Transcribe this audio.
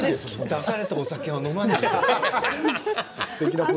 出されたお酒は飲まないとね。